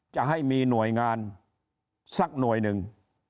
จะให้มีหน่วยงานสักหน่วยหนึ่ง